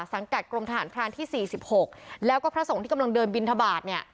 สังกัดกรมทหารพรานที่สี่สิบหกแล้วก็พระสงฆ์ที่กำลังเดินบินทบาทเนี่ย